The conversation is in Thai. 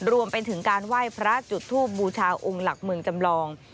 รวมไปถึงการไหว้พระจุดทูบบูชาองค์หลักเมืองจำลอง